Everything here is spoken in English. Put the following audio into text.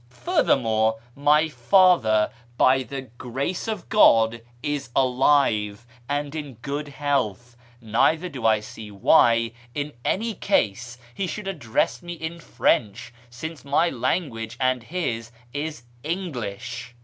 " Furthermore, my father, by the grace of God, is alive and in good health ; neither do I see why, in any case, he should address me in French, since my language and his is English."